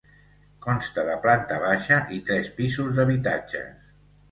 Consta de planta baixa i tres pisos d'habitatges.